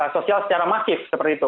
sosial secara masif seperti itu